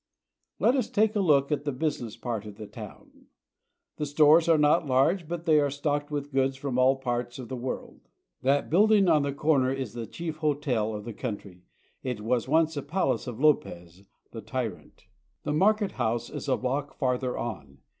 Let us take a look at the busi ness part of the town. The stores are not large, but they are stocked with goods from all parts of the world. That building on the corner is the chief hotel of the country. It was once a palace of Lopez, the tyrant. The market house is a block farther on.